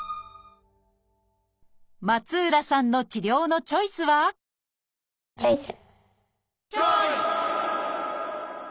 松浦さんの治療のチョイスはチョイス！